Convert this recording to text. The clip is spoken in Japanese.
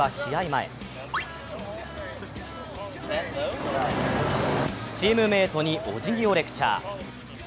前チームメートにおじぎをレクチャー。